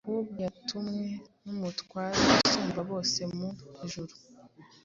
ahubwo yatumwe n’Umutware usumba bose wo mu ijuru.